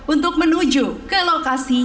untuk menuju ke lokasi